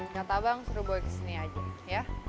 kata bang suruh boy kesini aja ya